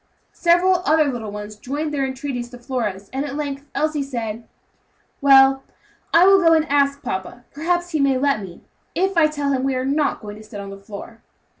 Several other little ones joined their entreaties to Flora's, and at length Elsie said, "Well, I will go and ask papa; perhaps he may let me, if I tell him we are not going to sit on the floor."